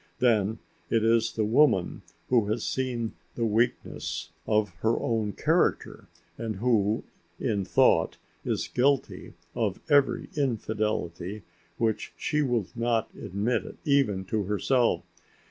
then it is the woman who has seen the weakness of her own character and who, in thought, is guilty of every infidelity which she will not admit even to herself.